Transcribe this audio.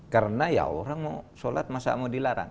karena ya orang mau sholat masa mau dilarang